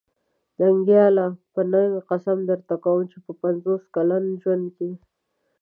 ننګياله! په ننګ قسم درته کوم چې په پنځوس کلن ژوند کې.